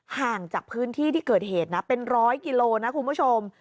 ห่างจากพื้นที่ที่เกิดเหตุนะเป็นร้อยกิโลนะคุณผู้ชม